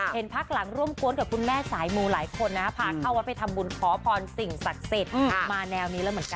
เสมอตบเท้าเข้ากันวงการมูเตเฬา